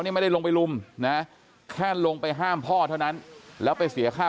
นี่ไม่ได้ลงไปลุมนะแค่ลงไปห้ามพ่อเท่านั้นแล้วไปเสียค่า